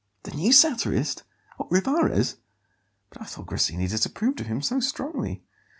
"The new satirist? What, Rivarez? But I thought Grassini disapproved of him so strongly."